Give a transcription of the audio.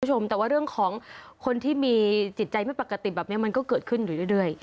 คุณผู้ชมแต่ว่าเรื่องของคนที่มีจิตใจไม่ปกติแบบนี้มันก็เกิดขึ้นอยู่เรื่อย